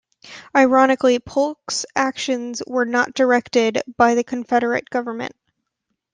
Ironically, Polk's actions were not directed by the Confederate government.